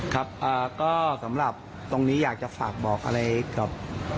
ครับก็สำหรับตรงนี้อยากจะฝากบอกอะไรกับ